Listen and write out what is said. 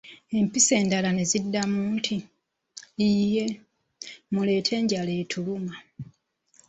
Empisi endala ne ziddamu nti, yee, muleete enjala etuluma.